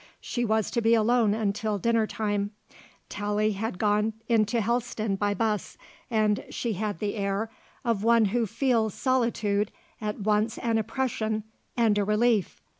She was to be alone till dinner time; Tallie had gone in to Helston by bus, and she had the air of one who feels solitude at once an oppression and a relief.